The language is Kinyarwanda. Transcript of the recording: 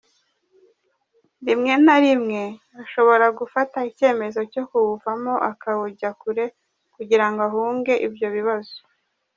Rimwe na rimwe ashobora gufata icyemezo cyo kuwuvamo akawujya kure kugirango ahunge ibyo bibazo.